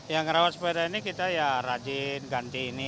yang merawat sepeda ini kita rajin ganti ini